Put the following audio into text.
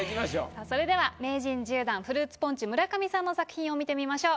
さあそれでは名人１０段フルーツポンチ村上さんの作品を見てみましょう。